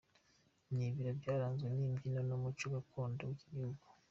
Ni ibirori byaranzwe n’imbyino n’umuco gakondo w’iki gihugu.